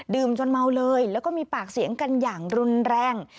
จนเมาเลยแล้วก็มีปากเสียงกันอย่างรุนแรง